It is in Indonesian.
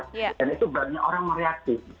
dan itu berarti orang yang reaksi